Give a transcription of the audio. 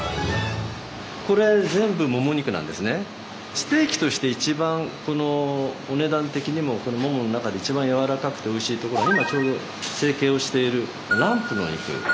ステーキとして一番お値段的にもこのモモの中で一番やわらかくておいしいところが今ちょうど整形をしているランプの肉なんですね。